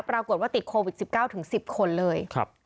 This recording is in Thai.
ปรากฏว่าติดโควิด๑๙ถึง๑๐คนเลย